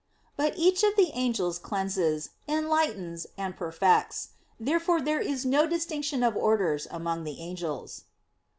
But each of the angels cleanses, enlightens, and perfects. Therefore there is no distinction of orders among the angels.